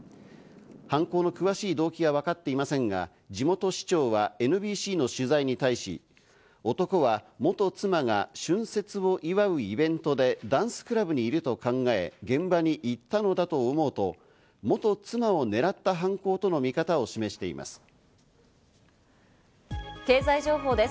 犯行の詳しい動機はわかっていませんが、地元市長はＮＢＣの取材に対し、男は元妻が春節を祝うイベントでダンスクラブにいると考え、現場に行ったのだと思うと元妻をねらった犯行との見方を示しています。